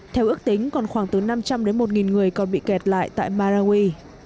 theo ước tính còn khoảng từ năm trăm linh đến một người còn bị kẹt lại tại marawi